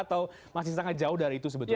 atau masih sangat jauh dari itu sebetulnya